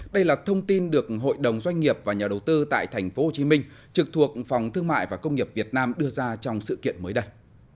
đây là thông tin được hội đồng doanh nghiệp và nhà đầu tư tại tp hcm trực thuộc phòng thương mại và công nghiệp việt nam đưa ra trong sự kiện mới đây